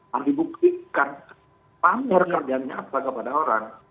harus dibuktikan pamer keadaannya kepada orang